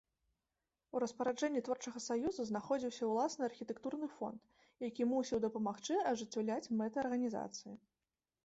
У распараджэнні творчага саюза знаходзіўся ўласны архітэктурны фонд, які мусіў дапамагчы ажыццяўляць мэты арганізацыі.